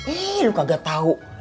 eh lu kagak tau